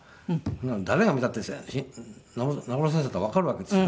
誰が見たって中村さんだってわかるわけですよ。